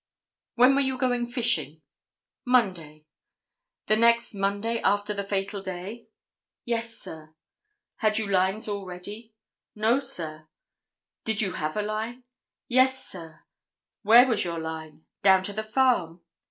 "When were you going fishing?" "Monday." "The next Monday after the fatal day?" "Yes, sir." "Had you lines all ready?" "No, sir." "Did you have a line?" "Yes sir." "Where was your line?" "Down to the farm."